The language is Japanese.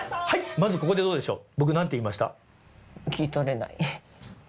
まずここでどうでしょう。